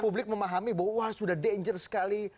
publik memahami bahwa wah sudah danger sekali